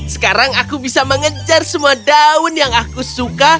sekarang aku bisa mengejar semua daun yang aku suka